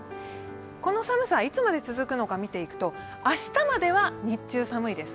この寒さいつまで続くのか見ていくと明日までは日中寒いです。